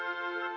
oh ini dong